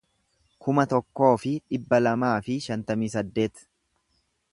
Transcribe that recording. kuma tokkoo fi dhibba lamaa fi shantamii saddeet